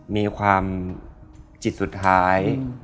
มีความจิตสุดท้าย